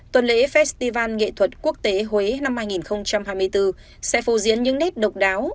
tuần lễ festival nghệ thuật quốc tế huế năm hai nghìn hai mươi bốn sẽ phù diễn những nét độc đáo